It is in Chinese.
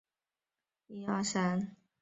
原先待避设备要设于地下化的等等力站。